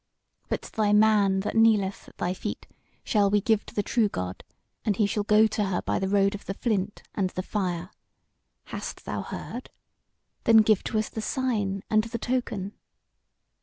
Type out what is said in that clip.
But thy man that kneeleth at thy feet shall we give to the true God, and he shall go to her by the road of the flint and the fire. Hast thou heard? Then give to us the sign and the token."